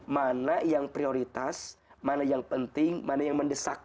mana yang prioritas mana yang penting mana yang mendesak